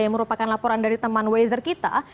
yang merupakan laporan dari teman wazer kita